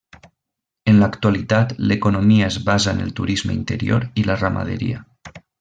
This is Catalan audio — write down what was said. En l'actualitat l'economia es basa en el turisme interior i la ramaderia.